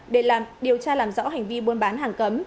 để điều tra làm rõ hành vi buôn bán hàng